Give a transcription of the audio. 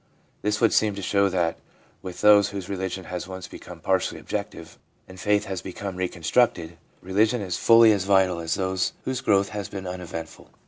This would seem to show that with those whose religion has once become partially objective and faith has been reconstructed, religion is fully as vital as with those whose growth has been uneventful.